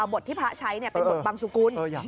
บทที่พระใช้เป็นบทบังสุกุล